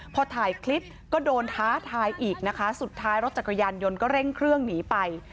พอถ่ายคลิปก็โดนท้าทายอีกนะคะสุดท้ายรถจักรยานยนต์ก็เร่งเครื่องหนีไป